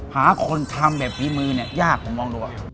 หาคนทำแบบพิมพ์นี้ยากผมมองดู